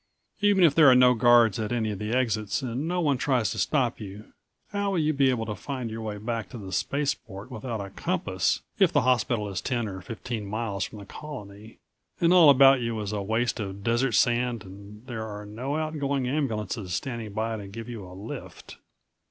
Even if there are no guards at any of the exits and no one tries to stop you how will you be able to find your way back to the spaceport without a compass if the hospital is ten or fifteen miles from the Colony, and all about you is a waste of desert sand and there are no outgoing ambulances standing by to give you a lift.